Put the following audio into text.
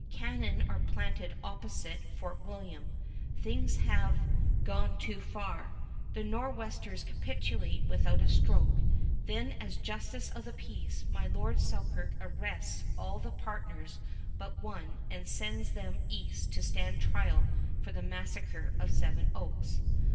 Cannon are planted opposite Fort William. Things have "gone too far." The Nor'westers capitulate without a stroke. Then as justice of the peace, my Lord Selkirk arrests all the partners but one and sends them east to stand trial for the massacre of Seven Oaks.